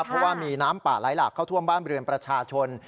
เพราะว่ามีน้ำป่าไหลหลากเข้าท่วมบ้านเรือนประชาชน